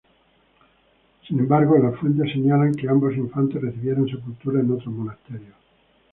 Sin embargo, las fuentes señalan que ambos infantes recibieron sepultura en otros monasterios.